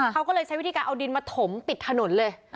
เขาก็เลยใช้วิธีการเอาดินมาถมปิดถนนเลย